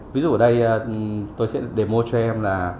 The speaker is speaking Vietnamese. ví dụ ở đây tôi sẽ đề mô cho em là